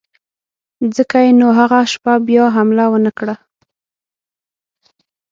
ځکه یې نو هغه شپه بیا حمله ونه کړه.